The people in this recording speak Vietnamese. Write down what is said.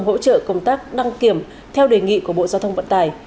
hỗ trợ công tác đăng kiểm theo đề nghị của bộ giao thông vận tải